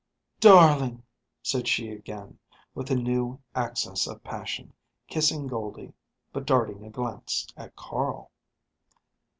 "Darling!" said she again, with a new access of passion, kissing Goldie, but darting a glance at Carl.